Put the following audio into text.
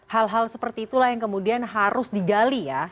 hal hal seperti itulah yang kemudian harus digali ya